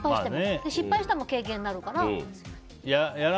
失敗しても経験になるから。